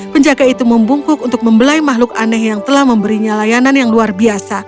penjaga itu membungkuk untuk membelai makhluk aneh yang telah memberinya layanan yang luar biasa